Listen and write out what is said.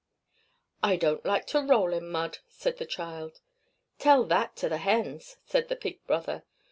"I don't like to roll in mud!" said the child. "Tell that to the hens!" said the pig brother.